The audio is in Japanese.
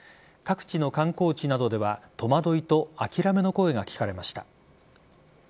各地の観光地などでは戸惑いと諦めの声が聞かれました。